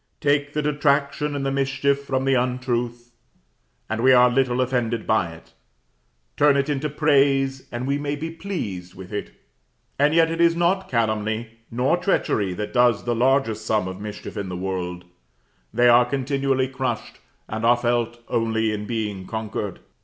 Take the detraction and the mischief from the untruth, and we are little offended by it; turn it into praise, and we may be pleased with it. And yet it is not calumny nor treachery that does the largest sum of mischief in the world; they are continually crushed, and are felt only in being conquered.